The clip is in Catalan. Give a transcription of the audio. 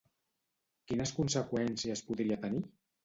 Quines conseqüències podria tenir?